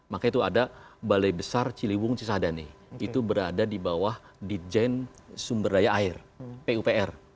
maka itu ada balai besar ciliwung cisadane itu berada di bawah ditjen sumber daya air pupr